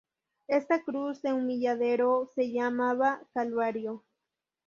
Esta cruz de humilladero se llamaba Calvario.